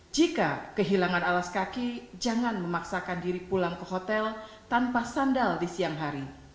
jika kehilangan alas kaki jangan memaksakan diri pulang ke hotel tanpa sandal di siang hari